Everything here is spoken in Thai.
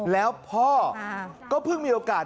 แล้วพ่อก็เพิ่งมีโอกาส